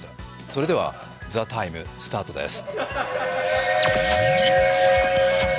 それでは「ＴＨＥＴＩＭＥ，」スタートです。